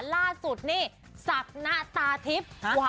ล่าสุดนี่สับหน้าตาทิพย์